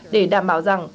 để đảm bảo rằng